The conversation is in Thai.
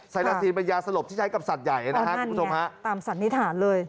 ไซลาซีนเป็นยาสลบที่ใช้กับสัตว์ใหญ่อ๋อนั่นไงตามสันนิษฐานเลย